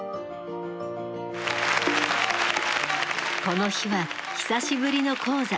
この日は久しぶりの高座。